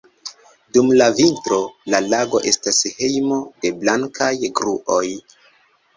Dum la vintro, la lago estas hejmo de blankaj gruoj.